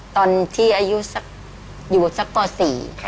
ตอนที่อายุอยู่สักป๔